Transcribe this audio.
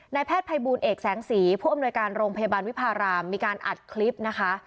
แพทย์ภัยบูลเอกแสงสีผู้อำนวยการโรงพยาบาลวิพารามมีการอัดคลิปนะคะ